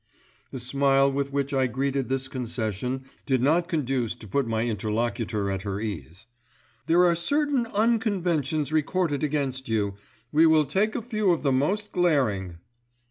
The smile with which I greeted this concession did not conduce to put my interlocutor at her ease. "There are certain unconventions recorded against you. We will take a few of the most glaring."